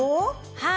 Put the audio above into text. はい。